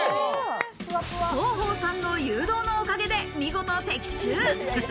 広報さんの誘導のおかげで、見事、的中。